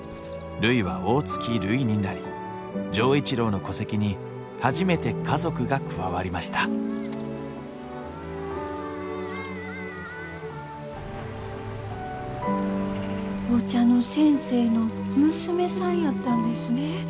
るいは大月るいになり錠一郎の戸籍に初めて家族が加わりましたお茶の先生の娘さんやったんですね。